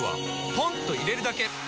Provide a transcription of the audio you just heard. ポンと入れるだけ！